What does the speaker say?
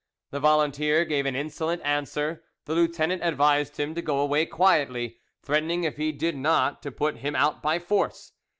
The volunteer gave an insolent answer, the lieutenant advised him to go away quietly, threatening if he did not to put him out by force.